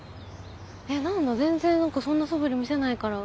えっ何だ全然何かそんなそぶり見せないから。